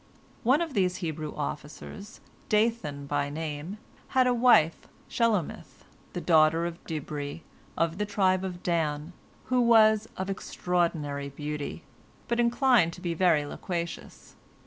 One of these Hebrew officers, Dathan by name, had a wife, Shelomith, the daughter of Dibri, of the tribe of Dan, who was of extraordinary beauty, but inclined to be very loquacious.